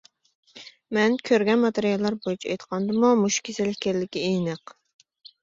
مەن كۆرگەن ماتېرىياللار بويىچە ئېيتقاندىمۇ مۇشۇ كېسەل ئىكەنلىكى ئېنىق.